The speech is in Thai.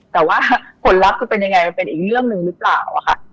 แต่ว่าผลลักษณ์ก็เป็นยังไงเป็นอีกเรื่องนึงหรือเปล่าอ่ะค่ะ